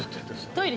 トイレ。